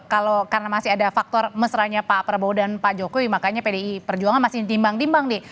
kalau karena masih ada faktor mesranya pak prabowo dan pak jokowi makanya pdi perjuangan masih timbang timbang nih